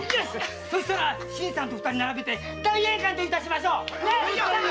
そしたら新さんと二人並べて大宴会しましょう！